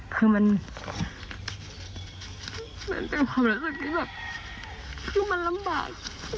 คือมันเป็นความรู้สึกที่แบบคือมันลำบาก